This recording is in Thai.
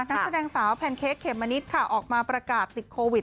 นักแสดงสาวแพนเค้กเขมมะนิดค่ะออกมาประกาศติดโควิด